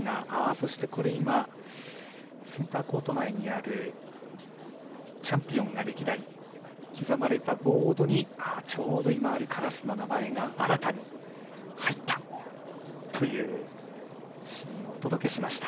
そして、センターコート内にあるチャンピオンが歴代、刻まれたボードにちょうど、アルカラスの名前が新たに入ったというシーンをお届けしました。